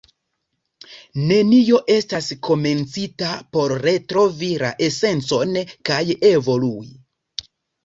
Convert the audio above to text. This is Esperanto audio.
Nenio estas komencita por retrovi la esencon kaj evolui.